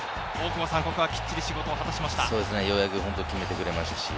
ここはきっちり仕事を果たしました。